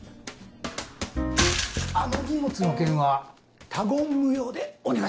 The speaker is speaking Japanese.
あの荷物の件は他言無用でお願いします。